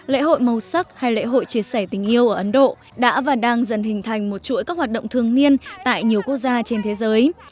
lễ hội màu sắc hay lễ hội chia sẻ tình yêu ở ấn độ đã và đang dần hình thành một chuỗi các hoạt động thường niên tại nhiều quốc gia trên thế giới